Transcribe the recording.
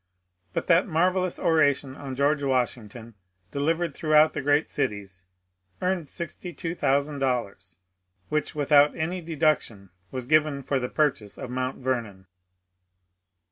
But that marvellous oration on George Washington, delivered throughout the great cities, earned $62,000, which without any deduction was given for the purchase of Mount Vernon.